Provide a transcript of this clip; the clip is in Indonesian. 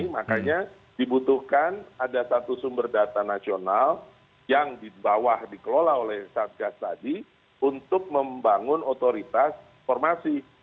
makanya dibutuhkan ada satu sumber data nasional yang di bawah dikelola oleh satgas tadi untuk membangun otoritas formasi